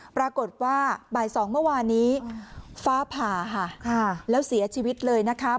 ปรากฏว่าบ่ายสองเมื่อวานนี้ฟ้าผ่าค่ะแล้วเสียชีวิตเลยนะคะ